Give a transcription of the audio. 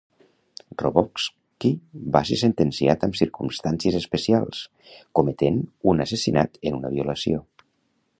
Rogowski va ser sentenciat amb "circumstàncies especials", cometent un assassinat en una violació.